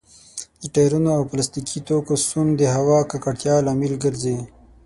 د ټايرونو او پلاستيکي توکو سون د هوا د ککړتيا لامل ګرځي.